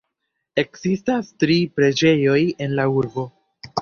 Ekzistas tri preĝejoj en la urbo.